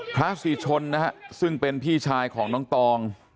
พระศรีชนนะฮะซึ่งเป็นพี่ชายของน้องตอง